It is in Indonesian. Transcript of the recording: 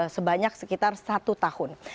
sebanyak sekitar satu tahun